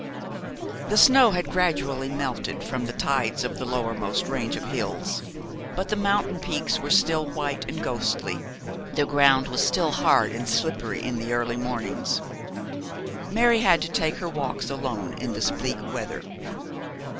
The snow had gradually melted from the tides of the lowermost range of hills, but the mountain peaks were still white and ghostly, the ground was still hard and slippery in the early mornings. Mary had to take her walks alone in this bleak weather.